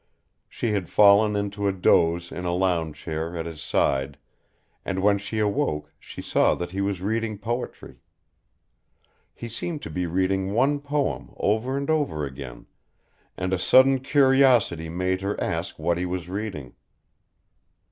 She had fallen into a doze in a lounge chair at his side, and when she awoke she saw that he was reading poetry. He seemed to be reading one poem over and over again, and a sudden curiosity made her ask what he was reading.